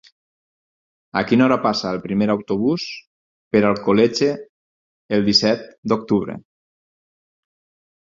A quina hora passa el primer autobús per Alcoletge el disset d'octubre?